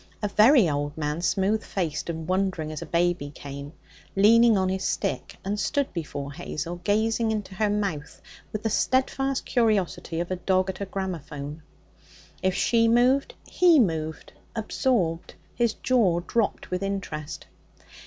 A very old man, smooth faced, and wondering as a baby, came, leaning on his stick, and stood before Hazel, gazing into her mouth with the steadfast curiosity of a dog at a gramophone. If she moved, he moved, absorbed, his jaw dropped with interest.